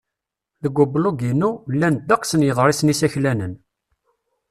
Deg ublug-inu, llan ddeqs n yiḍrisen iseklanen.